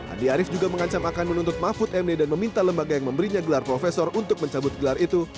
andi arief juga mengancam akan menuntut mahfud md dan meminta lembaga yang memberinya gelar profesor untuk mencabut gelar itu